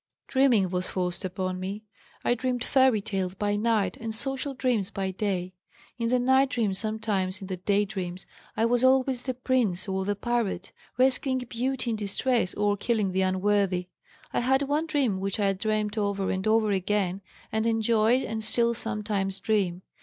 "Dreaming was forced upon me. I dreamed fairy tales by night and social dreams by day. In the nightdreams, sometimes in the day dreams, I was always the prince or the pirate, rescuing beauty in distress, or killing the unworthy. I had one dream which I dreamed over and over again and enjoyed and still sometimes dream.